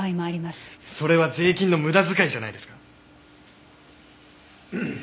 それは税金の無駄遣いじゃないですか？